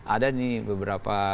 ada nih beberapa